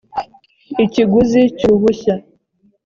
ikiguzi cy uruhushya